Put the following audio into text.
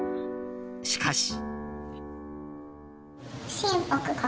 しかし。